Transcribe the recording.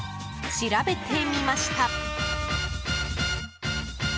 調べてみました。